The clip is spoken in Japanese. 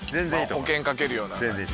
保険かけるような感じ。